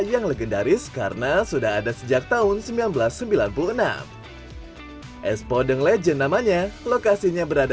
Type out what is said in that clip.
yang legendaris karena sudah ada sejak tahun seribu sembilan ratus sembilan puluh enam es podeng legend namanya lokasinya berada